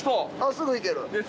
すぐ行ける。